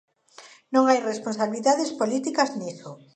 Non hai responsabilidades políticas niso.